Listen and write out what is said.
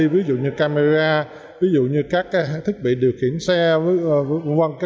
ví dụ như camera ví dụ như các cái thiết bị điều khiển xe v v